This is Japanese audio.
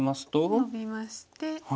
ノビまして。